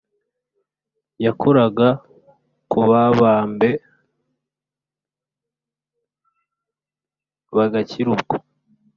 Yakoraga kubabambe bagakira ubwo